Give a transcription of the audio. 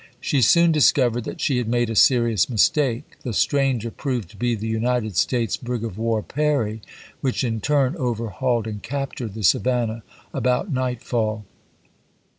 She soon discovered that she had made a serious mistake; the stranger proved to be the United States brig of war Perry ^ which in turn overhauled and captured the Savannah about nightfall.